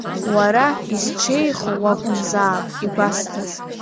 Уара изҽеихо уакәымзаап, игәасҭаз.